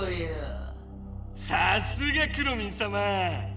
さすがくろミンさま。